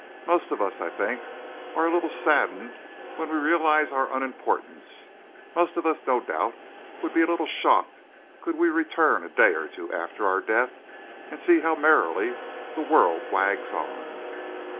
Most of us, I think, are a little saddened when we realise our unimportance; most of us, no doubt, would be a little shocked could we return a day or two after our death and see how merrily the world wags on!